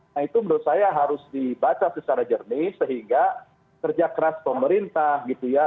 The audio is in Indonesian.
nah itu menurut saya harus dibaca secara jernih sehingga kerja keras pemerintah gitu ya